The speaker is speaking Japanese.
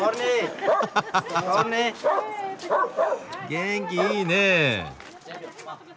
元気いいねえ。